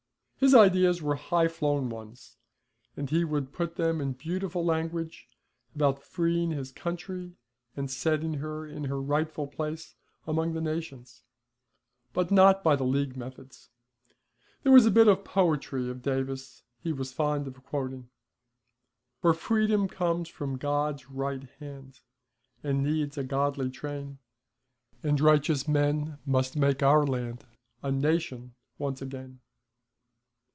His ideas were high flown ones, and he could put them in beautiful language, about freeing his country, and setting her in her rightful place among the nations. But not by the League methods. There was a bit of poetry of Davis he was fond of quoting: For Freedom comes from God's right hand, And needs a godly train, And righteous men must make our land A Nation once again.